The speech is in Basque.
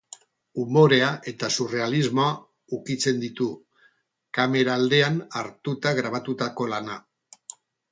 Umorea eta surrealismoa ukitzen ditu, kamera aldean hartuta grabatutako lana.